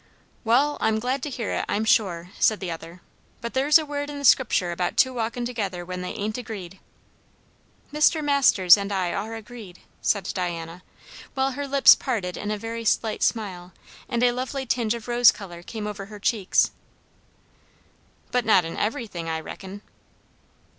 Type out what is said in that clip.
"Wall, I'm glad to hear it, I'm sure," said the other; "but there's a word in the Scriptur' about two walking together when they ain't agreed." "Mr. Masters and I are agreed," said Diana, while her lips parted in a very slight smile, and a lovely tinge of rose colour came over her cheeks. "But not in everything, I reckon?"